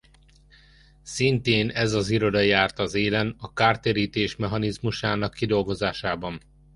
Szintén ez az iroda járt az élen a kártérítés mechanizmusának kidolgozásában.